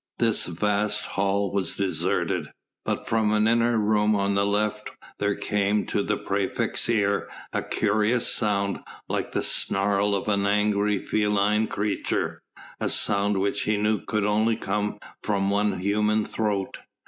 This vast hall was deserted, but from an inner room on the left there came to the praefect's ear a curious sound like the snarl of an angry feline creature, a sound which he knew could only come from one human throat.